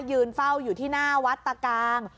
ยืนเฝ้าอยู่ที่หน้าวัดตะกาง